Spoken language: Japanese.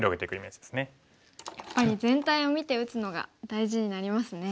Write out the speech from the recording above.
やっぱり全体を見て打つのが大事になりますね。